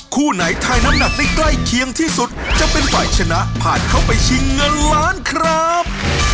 คู่ไหนไทยน้ำหนักได้ใกล้เคียงที่สุดจะเป็นฝ่ายชนะผ่านเข้าไปชิงเงินล้านครับ